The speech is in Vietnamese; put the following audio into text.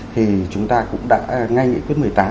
thì chúng ta cũng đã ngay nghị quyết một mươi tám